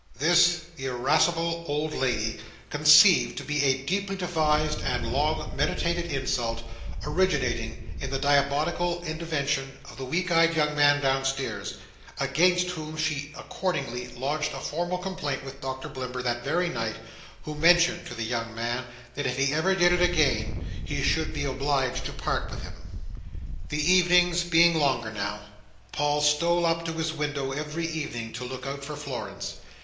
This the irascible old lady conceived to be a deeply devised and long meditated insult, originating in the diabolical invention of the weak eyed young man downstairs, against whom she accordingly lodged a formal complaint with Doctor Blimber that very night; who mentioned to the young man that if he ever did it again, he should be obliged to part with him. The evenings being longer now, Paul stole up to his window every evening to look out for Florence.